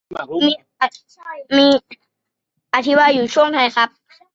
มีอธิบายอยู่ช่วงท้ายครับ